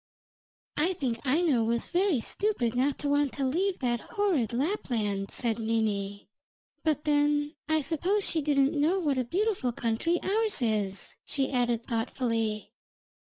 'I think Aino was very stupid not to want to leave that horrid Lapland,' said Mimi; 'but then I suppose she didn't know what a beautiful country ours is,' she added thoughtfully.